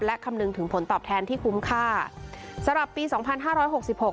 และคำนึงถึงผลตอบแทนที่คุ้มค่าสำหรับปีสองพันห้าร้อยหกสิบหก